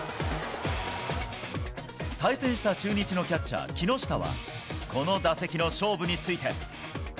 対戦した中日のキャッチャー、木下は、この打席の勝負について。